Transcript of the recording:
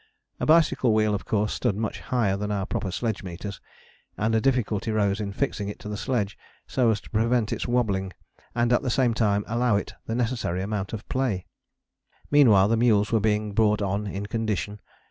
A bicycle wheel of course stood much higher than our proper sledge meters, and a difficulty rose in fixing it to the sledge so as to prevent its wobbling and at the same time allow it the necessary amount of play. Meanwhile the mules were being brought on in condition.